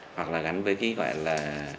hoặc là gắn với gọi là